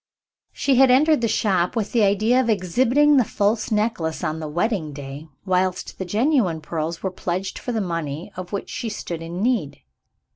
She had entered the shop with the idea of exhibiting the false necklace on the wedding day, whilst the genuine pearls were pledged for the money of which she stood in need.